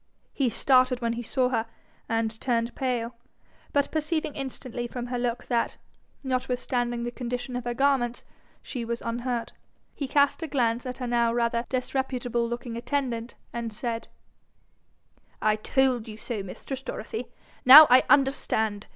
He started when he saw her, and turned pale, but perceiving instantly from her look that, notwithstanding the condition of her garments, she was unhurt, he cast a glance at her now rather disreputable looking attendant, and said, 'I told you so, mistress Dorothy! Now I understand!